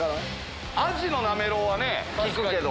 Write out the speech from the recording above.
アジのなめろうはね聞くけど。